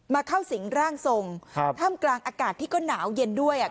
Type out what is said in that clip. เข้าสิงร่างทรงครับท่ามกลางอากาศที่ก็หนาวเย็นด้วยอ่ะ